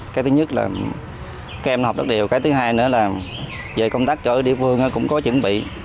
cái thứ nhất là các em nó học rất là đều cái thứ hai nữa là về công tác chợ địa phương cũng có chuẩn bị